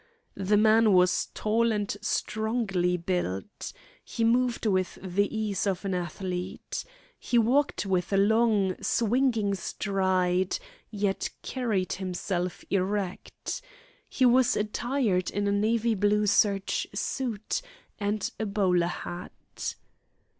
The man was tall and strongly built. He moved with the ease of an athlete. He walked with a long, swinging stride, yet carried himself erect He was attired in a navy blue serge suit and a bowler hat.